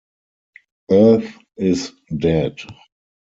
Earth is dead.